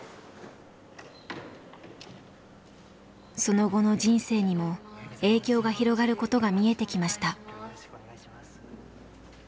その後の人生にも影響が広がることが見えてきました。